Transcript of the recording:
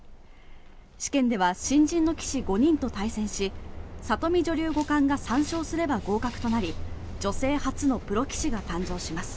試験では新人の棋士５人と対戦し里美女流五冠が３勝すれば合格となり女性初のプロ棋士が誕生します。